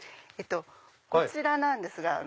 こちらなんですが。